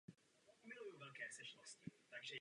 Nic není silnější než slova.